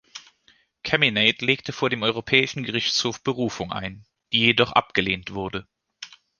Cheminade legte vor dem Europäischen Gerichtshof Berufung ein, die jedoch abgelehnt wurde.